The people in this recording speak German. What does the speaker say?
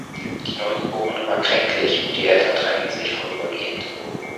Die Neugeborene war kränklich, und die Eltern trennten sich vorübergehend.